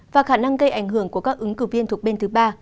và khả năng gây ảnh hưởng của các ứng cử viên thuộc bên thứ ba